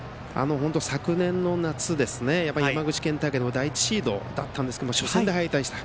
昨年の夏、山口県大会で第１シードだったんですけど初戦で敗退した。